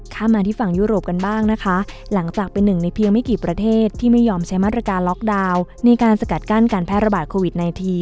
มาที่ฝั่งยุโรปกันบ้างนะคะหลังจากเป็นหนึ่งในเพียงไม่กี่ประเทศที่ไม่ยอมใช้มาตรการล็อกดาวน์ในการสกัดกั้นการแพร่ระบาดโควิด๑๙